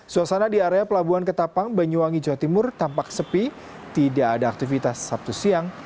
suasana di area pelabuhan ketapang banyuwangi jawa timur tampak sepi tidak ada aktivitas sabtu siang